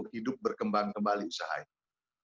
hidup berkembang kembali usaha ini